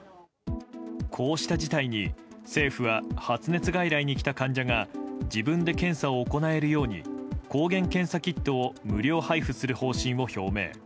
こうした事態に政府は発熱外来に来た患者が自分で検査を行えるように抗原検査キットを無料配布する方針を表明。